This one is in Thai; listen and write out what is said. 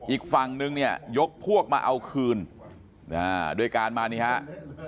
อีกฝั่งนึงเนี่ยยกพวกมาเอาคืนด้วยการมานี่ฮะ